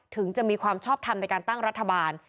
ถึงจะมีความชอบทำในการตั้งรัฐบาล